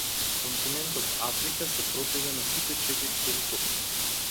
Континентот Африка се протега на сите четири полутопки.